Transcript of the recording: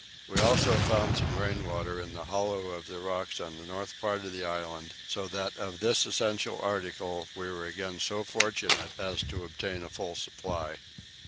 We also found some rainwater in the hollow of the rocks on the north part of the island, so that of this essential article we were again so fortunate as to obtain a full supply.